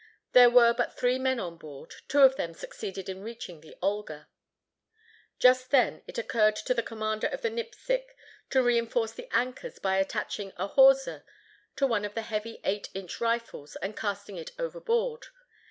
There were but three men on board; two of whom succeeded in reaching the Olga. Just then it occurred to the commander of the Nipsic to reinforce the anchors by attaching a hawser to one of the heavy eight inch rifles and casting it overboard.